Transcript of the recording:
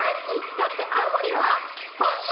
だって青森は本州！